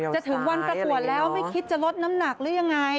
ถึงวันประกวดแล้วไม่คิดจะลดน้ำหนักหรือยังไง